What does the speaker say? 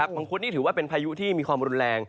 มังคุดนี่ถือว่าเป็นพายุที่มีความรุนแรง